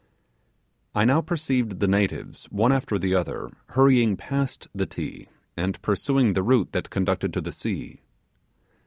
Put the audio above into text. I now perceived the natives one after the other hurrying past the Ti and pursuing the route that conducted to the sea.